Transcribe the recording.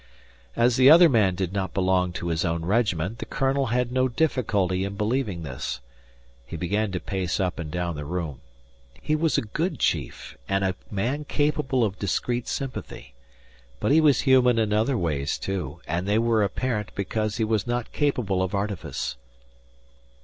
As the other man did not belong to his own regiment the colonel had no difficulty in believing this. He began to pace up and down the room. He was a good chief and a man capable of discreet sympathy. But he was human in other ways, too, and they were apparent because he was not capable of artifice.